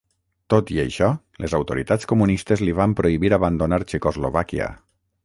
Tot i això, les autoritats comunistes li van prohibir abandonar Txecoslovàquia.